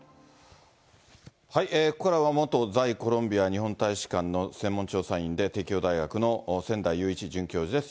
ここからは元在コロンビア日本大使館の専門調査員で、帝京大学の千代勇一准教授です。